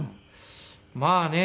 まあね